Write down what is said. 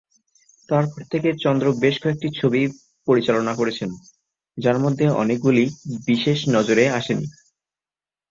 তার পর থেকে চন্দ্র বেশ কয়েকটি ছবি পরিচালনা করেছেন, যার মধ্যে অনেকগুলিই বিশেষ নজরে আসেনি।